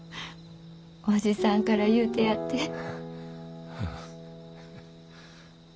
叔父さんから言うてやって。